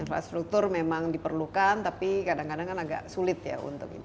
infrastruktur memang diperlukan tapi kadang kadang kan agak sulit ya untuk itu